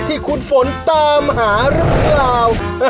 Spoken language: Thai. ที่คุณฝนตามหาหรือเปล่า